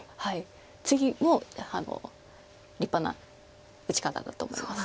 ツギも立派な打ち方だと思います。